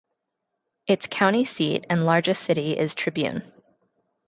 Its county seat and largest city is Tribune.